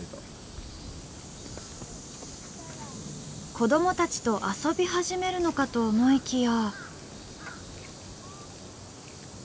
子どもたちと遊び始めるのかと思いきや。